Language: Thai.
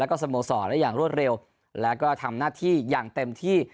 แล้วก็สโมสรได้อย่างรวดเร็วแล้วก็ทำหน้าที่อย่างเต็มที่